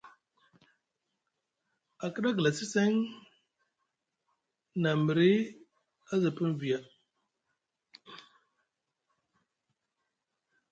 A kiɗa a glasi seŋ nʼa miri a za pini viya.